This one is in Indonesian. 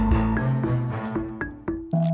setara akhir provides